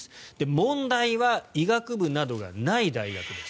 問題は医学部などがない大学です。